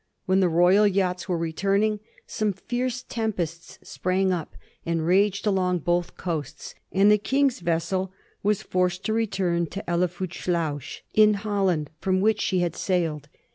When the royal yachts were returning, some fierce tempests sprang up and raged along both coasts; and the King's vessel was forced to return to Helvoetsluis, in Holland, from which she had sailed.